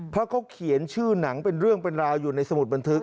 เพราะเขาเขียนชื่อหนังเป็นเรื่องเป็นราวอยู่ในสมุดบันทึก